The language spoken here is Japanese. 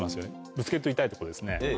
ぶつけると痛いとこですね。